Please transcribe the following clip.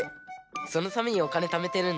そのためにおかねためてるんだ。